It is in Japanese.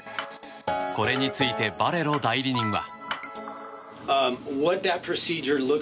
これについてバレロ代理人は。